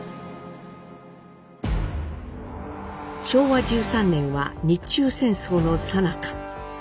昭和１３年は日中戦争のさなか。